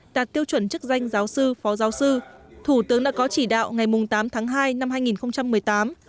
đạt tiêu chuẩn chức danh giáo sư phó giáo sư thủ tướng đã có chỉ đạo ngày tám tháng hai năm hai nghìn một mươi tám